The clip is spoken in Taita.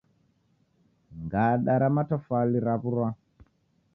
Ngada ra matafwali rawurwa